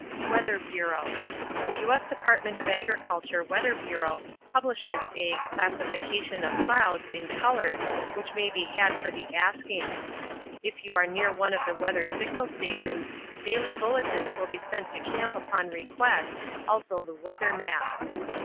Weather Bureau The U. S. Department of Agriculture Weather Bureau publishes a "Classification of clouds," in colors which may be had for the asking. If you are near one of the weather signal stations daily bulletins will be sent to camp upon request, also the weather map.